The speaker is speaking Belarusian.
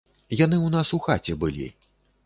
Яны ў нас у хаце былі.